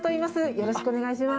よろしくお願いします。